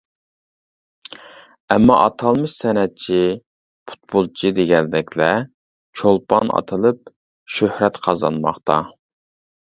ئەمما ئاتالمىش سەنئەتچى، پۇتبولچى دېگەندەكلەر چولپان ئاتىلىپ شۆھرەت قازانماقتا.